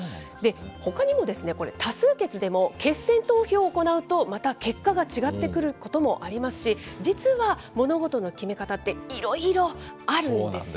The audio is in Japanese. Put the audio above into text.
ほかにもこれ、多数決でも決選投票を行うと、また結果が違ってくることもありますし、実は物事の決め方っていろいろあるんですよ